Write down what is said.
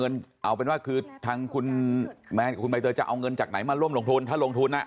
เอาเป็นว่าคือทางคุณแมนกับคุณใบเตยจะเอาเงินจากไหนมาร่วมลงทุนถ้าลงทุน